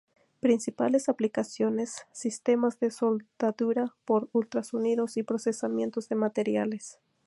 Principales aplicaciones: sistemas de soldadura por ultrasonidos y procesamiento de materiales.